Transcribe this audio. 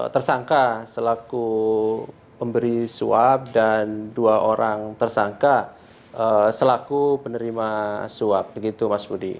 tersangka selaku pemberi suap dan dua orang tersangka selaku penerima suap begitu mas budi